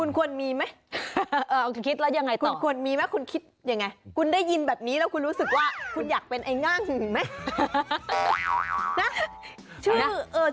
คุณควรมีมั้ยคุณควรมีมั้ยคุณคิดยังไงคุณได้ยินแบบนี้แล้วคุณรู้สึกว่าคุณอยากเป็นไอ้งั่งหรือมั้ย